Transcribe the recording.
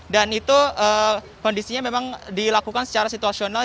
itu kondisinya memang dilakukan secara situasional